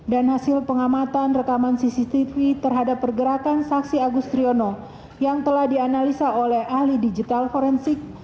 dan hasil pengamatan rekaman cctv terhadap pergerakan saksi agustriono yang telah dianalisa oleh ahli digital forensik